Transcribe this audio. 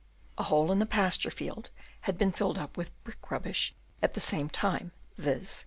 A hole in a pasture field had been filled up with brick rubbish at the same time, viz.